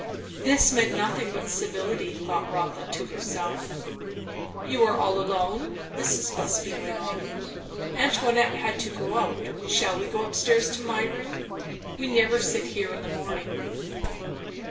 This means nothing but civility, thought Rotha to herself. "You are all alone?" Mrs. Busby went on. "Antoinette had to go out. Shall we go up stairs, to my room? We never sit here in the morning."